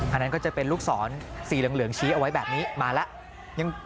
อันนั้นก็จะเป็นลูกศรสีเหลืองชี้เอาไว้แบบนี้มาแล้ว